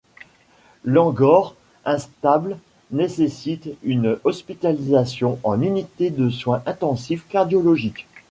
L'angor instable nécessite une hospitalisation en unité de soins intensifs cardiologiques.